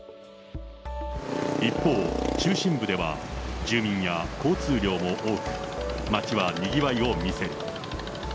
一方、中心部では、住民や交通量も多く、街はにぎわいを見せる。